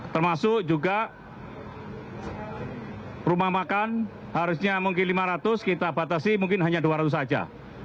termasuk juga rumah makan harusnya mungkin lima ratus kita batasi mungkin hanya dua ratus saja